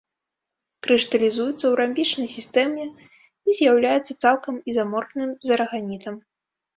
Крышталізуецца ў рамбічнай сістэме і з'яўляецца цалкам ізаморфным з араганітам.